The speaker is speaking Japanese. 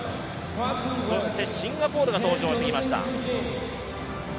そして、シンガポールが登場してきました。